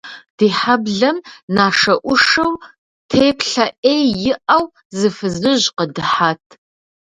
Ди хьэблэм нашэӏушэу, теплъэ ӏей иӏэу, зы фызыжь къыдыхьат.